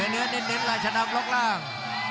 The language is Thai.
เนื้อเน้นราชนับล็อกล่าง